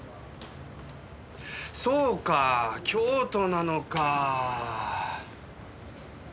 そうか京都なのか。